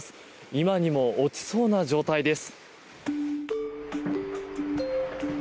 今にも落ちそうな状態です。